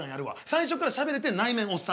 最初からしゃべれて内面おっさんな。